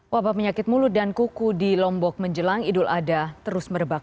wabah penyakit mulut dan kuku di lombok menjelang idul adha terus merebak